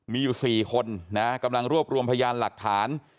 มีอยู่๔คนนะกำลังรวบรวมพยานหลักฐาน